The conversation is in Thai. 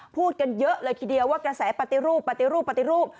พูดกันเยอะเลยทีเดียวว่ากระแสปฏิรูปปฏิรูปปฏิรูป